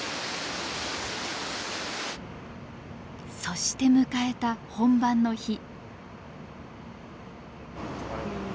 そして迎えた本番の日。